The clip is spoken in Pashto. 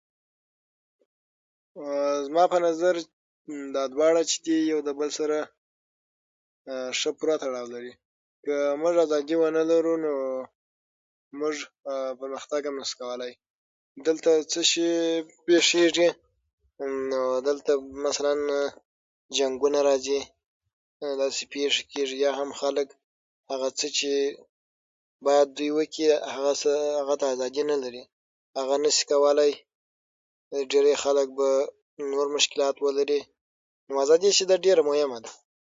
زما په نظر دا دواړه چې دي، دواړه یو بل سره ښه پوره تړاو لري. که موږ ازادي ونه لرو نو موږ پرمختګ هم نشو کولای. دلته څه شی پېښېږي؟ نو دلته مثلاً جنګونه راځي او خلک چې باید څه وکړي، هغه ته ازادي نه لري او هغه نشي کولای او ډیری خلک به نور مشکلات ولري. نو ازادي چې ده، ډېره مهمه ده.